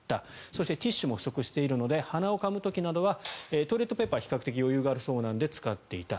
そしてティッシュも不足しているので鼻をかむ時などはトイレットペーパーは比較的余裕があるそうなので使っていた。